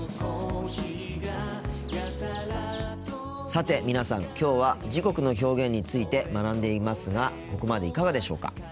さて皆さんきょうは時刻の表現について学んでいますがここまでいかがでしょうか。